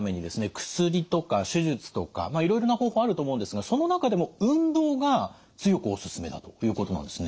薬とか手術とかいろいろな方法あると思うんですがその中でも運動が強くおすすめだということなんですね。